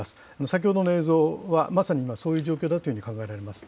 先ほどの映像はまさに、そういう状況だというふうに考えられます。